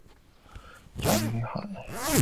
加利利海。